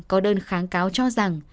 có đơn kháng cáo cho rằng